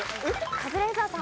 カズレーザーさん。